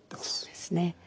そうですね。